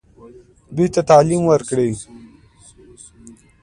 دوی ته تعلیم ورکړئ